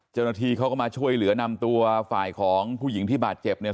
เจ้าหน้าที่เขาก็มาช่วยเหลือนำตัวฝ่ายของผู้หญิงที่บาดเจ็บเนี่ย